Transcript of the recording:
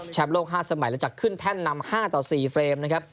โลก๕สมัยหลังจากขึ้นแท่นนำ๕ต่อ๔เฟรมนะครับ